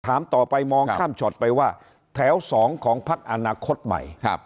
ถามต่อไปมองข้ามช็อตไปว่าแถว๒ของพักอนาคตใหม่